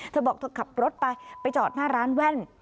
เธอบอกเธอขับรถไปไปจอดหน้าร้านแว่น